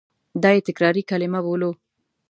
دا یې تکراري کلیمه بولو.